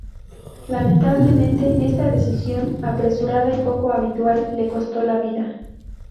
Lamentablemente, esta decisión apresurada y poco habitual le costó la vida.